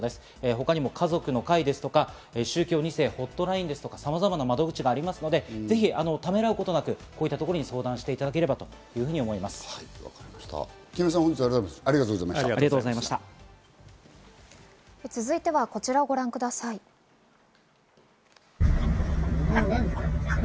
他にも家族の会ですとか、宗教２世ホットラインですとか、さまざまな窓口がありますので、ぜひためらうことなくこういったところに相談していただければと思います。